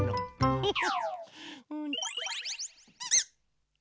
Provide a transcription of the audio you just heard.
フフ。